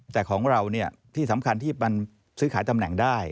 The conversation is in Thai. แต่ของเราที่สำคัญที่มันซื้อขายตำแหน่งได้